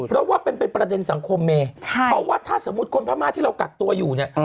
เพราะว่าเป็นประเด็นสังคมเมเพราะว่าถ้าสมมุติคนพม่าที่เรากักตัวอยู่เนี่ย